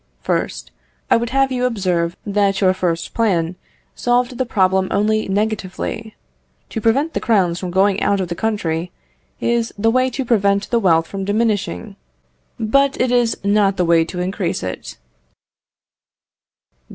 First, I would have you observe that your first plan solved the problem only negatively. To prevent the crowns from going out of the country is the way to prevent the wealth from diminishing, but it is not the way to increase it.